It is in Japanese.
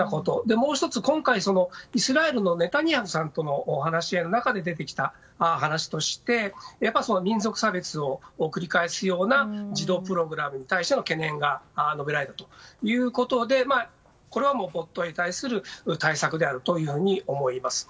もう１つ、今回イスラエルのネタニヤフさんとのお話の中で出てきた話としてやはり民族差別を繰り返すような自動プログラムに対しての懸念が述べられるということでこれはボットに対する対策であると思います。